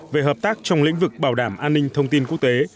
về hợp tác trong lĩnh vực bảo đảm an ninh thông tin quốc tế